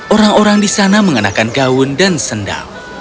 orang orang di sana mengenakan gaun dan sendal